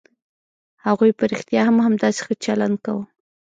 هغوی په رښتيا هم همداسې ښه چلند کاوه.